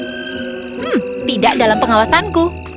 hmm tidak dalam pengawasanku